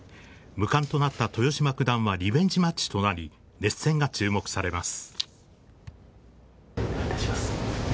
無冠となった豊島九段はリベンジマッチとなり、熱戦が注目されます。